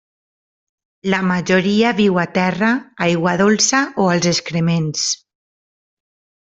La majoria viu a terra, aigua dolça o als excrements.